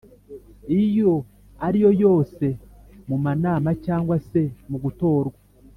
iyo ariyo yose mu Manama cyangwa se mu gutorwa